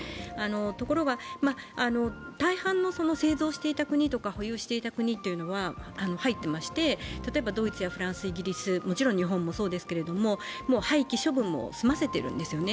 ところが大半の製造していた国とか保有していた国というのは入っていまして、例えばドイツやフランス、イギリスもちろん日本もそうですけど廃棄処分も済ませているんですよね、